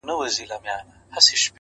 فکر بدلېږي نو لوری بدلېږي.